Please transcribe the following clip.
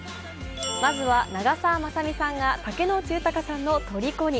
まずは長澤まさみさんが竹野内豊さんのとりこに。